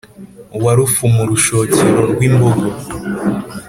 wa rufu mu rushokero rw’imbogo